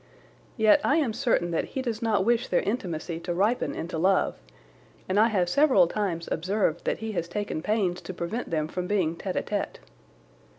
Yet I am certain that he does not wish their intimacy to ripen into love, and I have several times observed that he has taken pains to prevent them from being tête à tête.